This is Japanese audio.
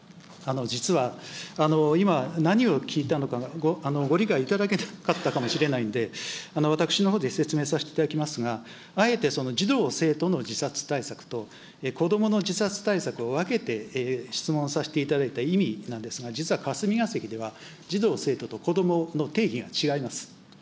実は、今、何を聞いたのか、ご理解いただけなかったかもしれないんで、私のほうで説明させていただきますが、あえて、児童・生徒の自殺対策と、子どもの自殺対策を分けて質問させていただいた意味なんですが、実は霞が関では、児童・生徒と子どもの定義が違います。